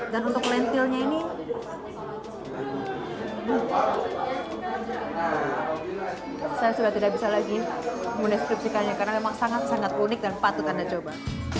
dan untuk lentilnya ini saya sudah tidak bisa lagi menguneskripsikannya karena memang sangat sangat unik dan patut anda coba